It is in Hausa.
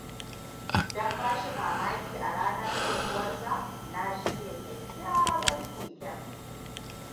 Don ba shi mamaki a ranar haihuwarsa, Na shirya kyakkyawan keken.